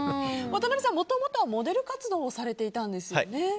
渡邊さん、もともとはモデル活動をされていたんですよね。